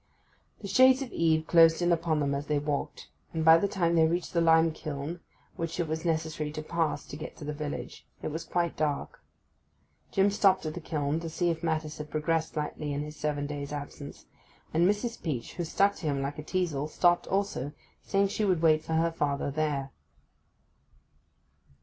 The shades of eve closed in upon them as they walked, and by the time they reached the lime kiln, which it was necessary to pass to get to the village, it was quite dark. Jim stopped at the kiln, to see if matters had progressed rightly in his seven days' absence, and Mrs. Peach, who stuck to him like a teazle, stopped also, saying she would wait for her father there.